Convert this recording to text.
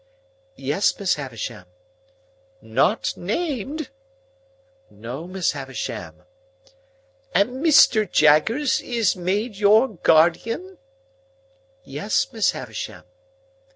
"Yes, Miss Havisham." "Not named?" "No, Miss Havisham." "And Mr. Jaggers is made your guardian?" "Yes, Miss Havisham."